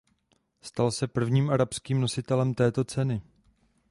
Stal se prvním arabským nositelem této ceny.